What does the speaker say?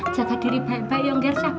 jaga diri baik baik yung gercah bagus